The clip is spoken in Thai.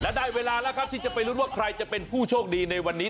และได้เวลาแล้วครับที่จะไปลุ้นว่าใครจะเป็นผู้โชคดีในวันนี้